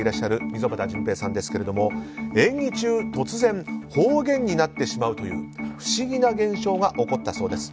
溝端淳平さんですが演技中、突然方言になってしまうという不思議な現象が起こったそうです。